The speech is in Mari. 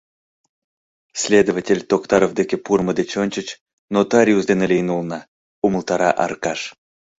— Следователь Токтаров деке пурымо деч ончыч нотариус дене лийын улына, — умылтара Аркаш.